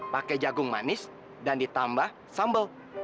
pakai jagung manis dan ditambah sambal